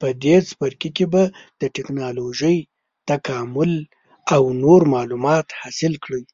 په دې څپرکي کې به د ټېکنالوجۍ تکامل او نور معلومات حاصل کړئ.